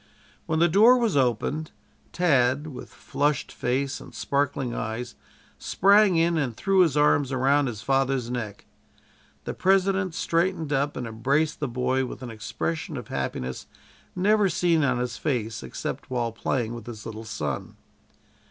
When the door was opened, Tad, with flushed face and sparkling eyes, sprang in and threw his arms around his father's neck. The President straightened up and embraced the boy with an expression of happiness never seen on his face except while playing with his little son.